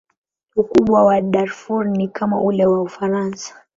Ukubwa wa Darfur ni kama ule wa Ufaransa.